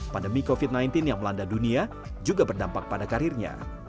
pandemi covid sembilan belas yang melanda dunia juga berdampak pada karirnya